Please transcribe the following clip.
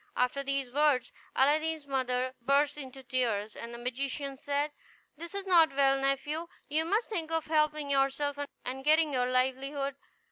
After these words Aladdin's mother burst into tears; and the magician said, "This is not well, nephew; you must think of helping yourself, and getting your livelihood.